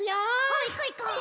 うんいこういこう。